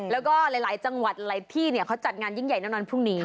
แล้วก็หลายจังหวัดหลายที่เขาจัดงานยิ่งใหญ่แน่นอนพรุ่งนี้